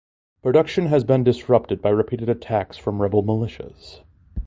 Production has been disrupted by repeated attacks from rebel militias.